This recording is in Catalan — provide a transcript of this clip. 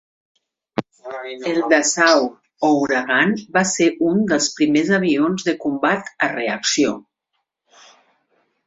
El Dassault Ouragan va ser un dels primers avions de combat a reacció.